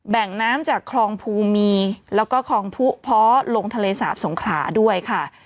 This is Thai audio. น้ำจากคลองภูมีแล้วก็คลองผู้เพาะลงทะเลสาบสงขลาด้วยค่ะ